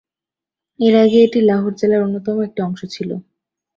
এর আগে এটি লাহোর জেলার অন্যতম একটি অংশ ছিল।